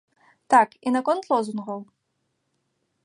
Так, і наконт лозунгаў.